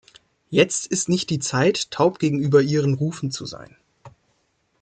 Jetzt ist nicht die Zeit, taub gegenüber ihren Rufen zu sein.